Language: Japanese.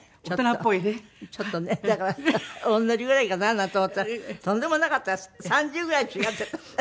ちょっとねだから同じぐらいかな？なんて思ったらとんでもなかった３０ぐらい違って。